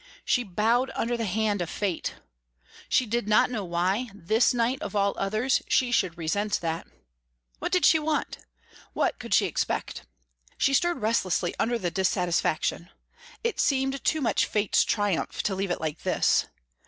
She bowed under the hand of fate. She did not know why, this night of all others, she should resent that. What did she want? What could she expect? She stirred restlessly under the dissatisfaction. It seemed too much fate's triumph to leave it like this.